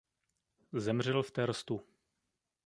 Zemřel v Terstu.